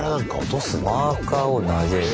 マーカーを投げ入れる。